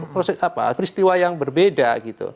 proses apa peristiwa yang berbeda gitu